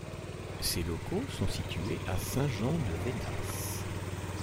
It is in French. Ses locaux sont situés à Saint-Jean-de-Védas.